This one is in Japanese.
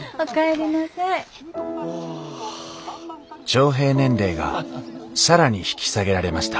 徴兵年齢が更に引き下げられました。